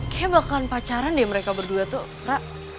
kayaknya bakal pacaran deh mereka berdua tuh